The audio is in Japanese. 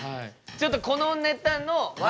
ちょっとこのネタの笑